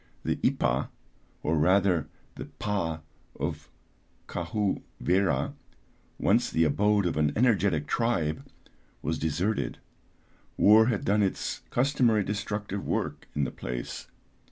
The Ipah, or rather the Pah of Kahou Wera, once the abode of an energetic tribe, was deserted, war had done its customary destructive work in the place.